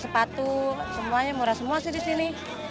sepatu semuanya murah semua sih di sini